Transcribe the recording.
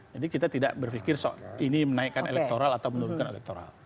jadi kita tidak berpikir soal ini menaikkan elektoral atau menurunkan elektoral